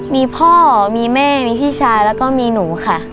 มีพ่อมีแม่มีพี่ชายแล้วก็มีหนูค่ะ